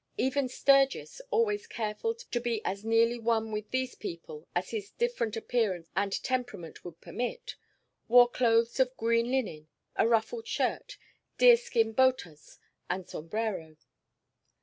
Even Sturgis, always careful to be as nearly one with these people as his different appearance and temperament would permit, wore clothes of green linen, a ruffled shirt, deer skin botas and sombrero.